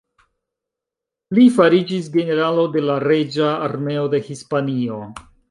Li fariĝis generalo de la reĝa armeo de Hispanio.